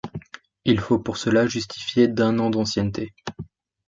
Il faut pour cela justifier d'un an d'ancienneté.